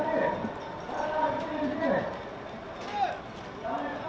tidak tersesat saya